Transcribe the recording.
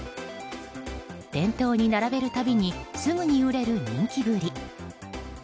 店頭に並べる度にすぐに売れる人気ぶり。